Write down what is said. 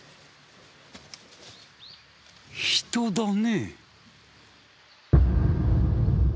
人だね。